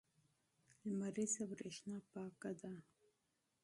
لمریزه برېښنا پاکه ده.